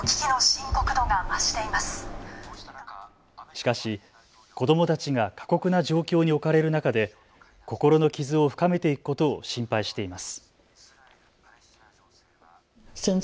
しかし、子どもたちが過酷な状況に置かれる中で心の傷を深めていくことを心配しています。